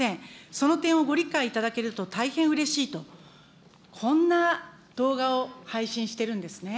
その点をご理解いただけると大変うれしいと、こんな動画を配信してるんですね。